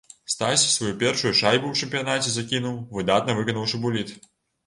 Стась сваю першую шайбу ў чэмпіянаце закінуў, выдатна выканаўшы буліт.